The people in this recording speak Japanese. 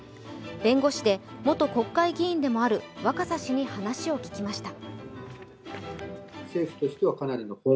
弁護士で元国会議員でもある若狭氏に話を聞きました。